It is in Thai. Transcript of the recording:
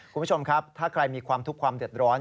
คุณผู้ชมครับถ้าใครมีความทุกข์ความเดือดร้อน